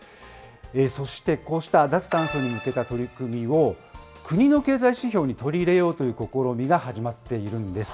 そして、こうした脱炭素に向けた取り組みを、国の経済指標に取り入れようという試みが始まっているんです。